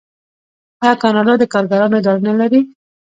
آیا کاناډا د کارګرانو اداره نلري؟